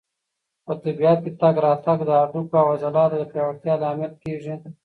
په طبیعت کې تګ راتګ د هډوکو او عضلاتو د پیاوړتیا لامل کېږي.